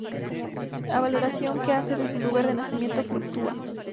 La valoración que hace de su lugar de nacimiento fluctúa.